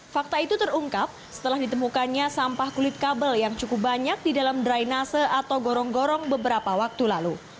fakta itu terungkap setelah ditemukannya sampah kulit kabel yang cukup banyak di dalam drainase atau gorong gorong beberapa waktu lalu